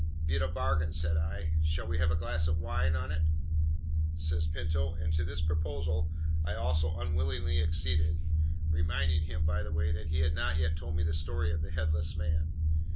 "Be it a bargain," said I. "Shall we have a glass of wine on it?" says Pinto; and to this proposal I also unwillingly acceded, reminding him, by the way, that he had not yet told me the story of the headless man.